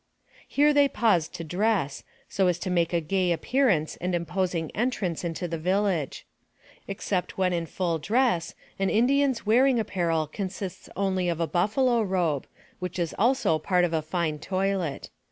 Here they paused to dress, so as to make a gay ap pearance and imposing entrance into the village. Ex cept when in full dress, an Indian's wearing apparel consists only of a buffalo robe, which is also part of a fine toilet.